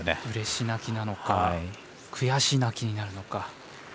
うれし泣きなのか悔し泣きになるのか。